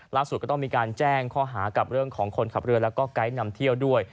ก็ต้องมีการแจ้งข้อหากับเรื่องของคนขับเรือแล้วก็ไกด์นำเที่ยวด้วย